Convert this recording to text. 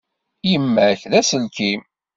Yemma-k d aselkim.